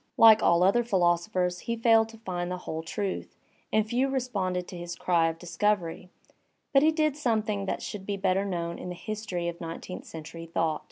like all other philosophers he failed to find the whole truth, and few responded to his cry of dis covery, but he did something that should be better known in the history of nineteenth century thought.